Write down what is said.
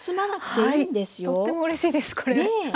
はいとってもうれしいですこれ。